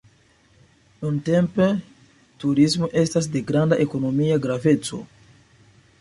Nuntempe turismo estas de granda ekonomia graveco.